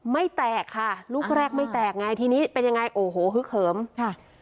ไม่แตกค่ะลูกแรกไม่แตกไงทีนี้เป็นยังไงโอ้โหฮึกเหิมค่ะ